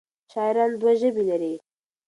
شاعران دوه ژبې لري.